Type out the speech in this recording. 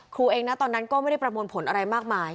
ครูเองนะตอนนั้นก็ไม่ได้ประมวลผลอะไรมากมาย